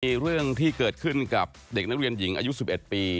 มีเรื่องที่เกิดขึ้นกับเด็กนักเรียนหญิงอายุ๑๑ปี